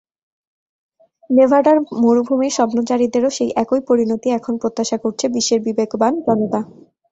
নেভাডার মরুভূমির স্বপ্নচারীদেরও সেই একই পরিণতি এখন প্রত্যাশা করছে বিশ্বের বিবেকবান জনতা।